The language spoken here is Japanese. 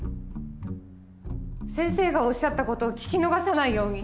先生がおっしゃった事を聞き逃さないように。